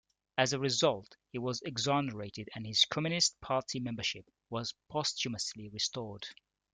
As a result, he was exonerated and his Communist Party membership was posthumously restored.